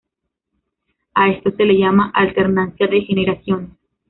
A esto se le llama alternancia de generaciones.